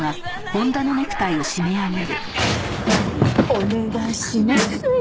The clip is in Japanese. お願いしますよ